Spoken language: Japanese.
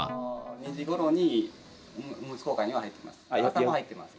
２時ごろにおむつ交換には入ってます。